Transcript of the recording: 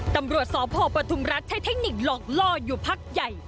ตำรวจสพปทุมรัฐใช้เทคนิคหลอกล่ออยู่พักใหญ่